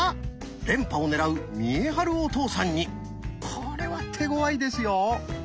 これは手ごわいですよ。